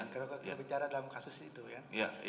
karena kita bicara dalam kasus itu ya